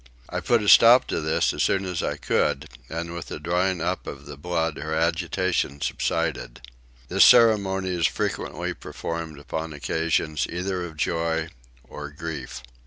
I put a stop to this as soon as I could, and with the drying up of the blood her agitation subsided. This ceremony is frequently performed upon occasions either of joy or grief.